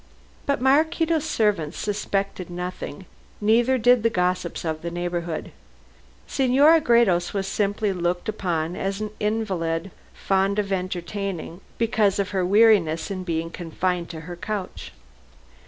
But Maraquito's servants suspected nothing, neither did the gossips of the neighborhood. Senora Gredos was simply looked upon as an invalid fond of entertaining because of her weariness in being confined to her couch.